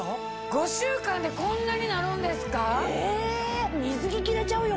５週間でこんなになるんですか！